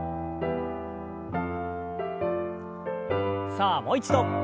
さあもう一度。